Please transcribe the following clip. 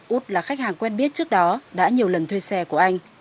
út là khách hàng quen biết trước đó đã nhiều lần thuê xe của anh